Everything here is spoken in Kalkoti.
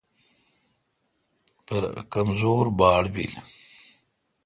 پرہ کمزور باڑ بل۔